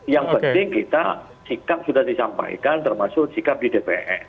yang penting kita sikap sudah disampaikan termasuk sikap di dpr